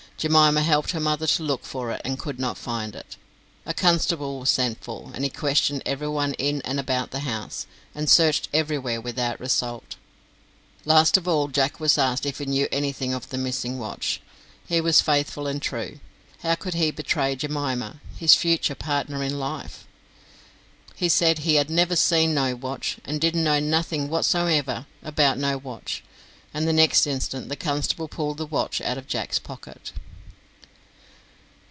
Jemima helped her mother to look for it, and could not find it. A constable was sent for, and he questioned everyone in and about the house, and searched everywhere without result. Last of all Jack was asked if he knew anything of the missing watch. He was faithful and true. How could he betray Jemima, his future partner in life? He said he "had never seen no watch, and didn't know nothing whatsomever about no watch," and the next instant the constable pulled the watch out of Jack's pocket.